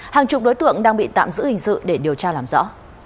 hàng chục đối tượng đang bị tạm giữ hình sự để điều tra làm rõ